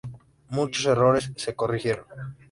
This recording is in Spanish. Muchos "errores" se corrigieron.